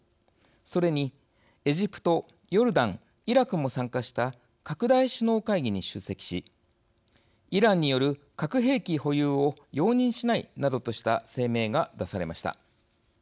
それに、エジプト、ヨルダンイラクも参加した拡大首脳会議に出席し「イランによる核兵器保有を容認しない」などとした声明が出されました。